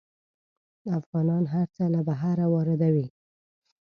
افغانان هر څه له بهر واردوي.